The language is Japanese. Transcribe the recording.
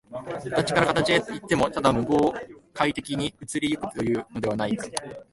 形から形へといっても、ただ無媒介的に移り行くというのではない。